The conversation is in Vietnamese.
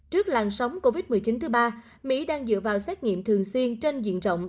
trước làn sóng covid một mươi chín thứ ba mỹ đang dựa vào xét nghiệm thường xuyên trên diện rộng